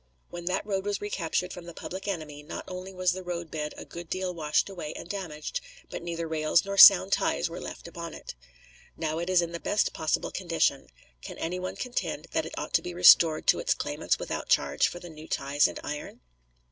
When that road was recaptured from the public enemy not only was the roadbed a good deal washed away and damaged, but neither rails nor sound ties were left upon it. Now it is in the best possible condition. Can any one contend that it ought to be restored to its claimants without charge for the new ties and iron?